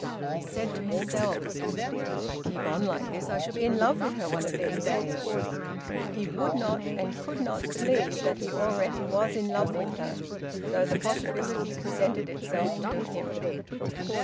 He said to himself: "If I keep on like this I shall be in love with her one of these days." He would not and could not believe that he already was in love with her, though the possibility presented itself to him.